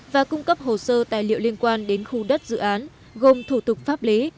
và cung cấp hồ sơ tài liệu liên quan đến khu đất dự án gồm thủ tục pháp lý